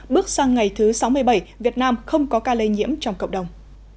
bước sang ngày thứ sáu mươi bảy việt nam không có ca lây nhiễm trong cộng đồng